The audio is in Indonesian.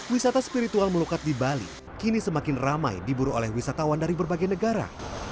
wisata spiritual melukat di bali kini semakin ramai diburu oleh wisatawan dari berbagai negara